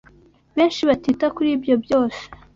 benshi batita kuri ibyo byose